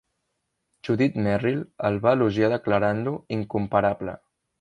Judith Merril el va elogiar declarant-lo "incomparable".